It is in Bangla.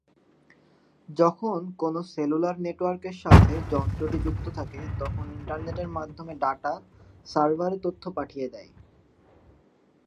যখন কোন সেলুলার নেটওয়ার্কের সাথে যন্ত্রটি যুক্ত থাকে তখন ইন্টারনেটের মাধ্যমে ডাটা সার্ভারে তথ্য পাঠিয়ে যেয়।